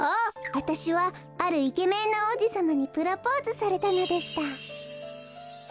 わたしはあるイケメンのおうじさまにプロポーズされたのでした。